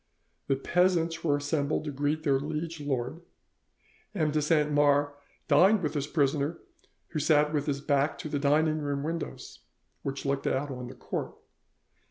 The peasants were assembled to greet their liege lord. M. de Saint Mars dined with his prisoner, who sat with his back to the dining room windows, which looked out on the court.